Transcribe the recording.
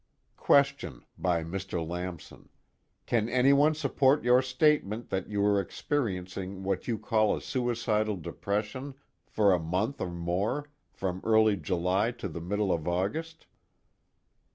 QUESTION (by Mr. Lamson): Can anyone support your statement that you were experiencing what you call a suicidal depression for a month or more, from early July to the middle of August?